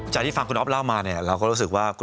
จากที่ฟังคุณออฟล์เล่ามา